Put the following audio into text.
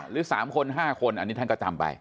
หรือ๓คน๕คนอันนี้ท่านก็จำไป